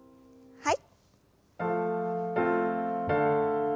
はい。